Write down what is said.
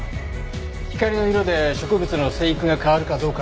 光の色で植物の生育が変わるかどうかの実験ですね。